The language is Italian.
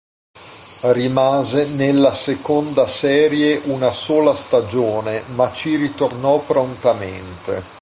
Rimase nella seconda serie una sola stagione ma ci ritornò prontamente.